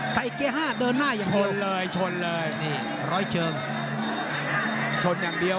ชนอย่างเดียวครับอยู่ข้างนอกนี่เราปากแล้ว